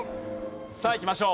さあいきましょう。